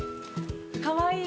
かわいい。